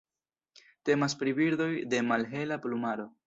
Temas pri birdoj de malhela plumaro.